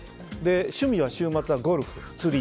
趣味は週末のゴルフ、釣り。